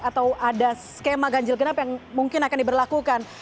atau ada skema ganjil genap yang mungkin akan diberlakukan